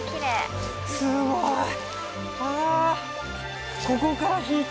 すごいああー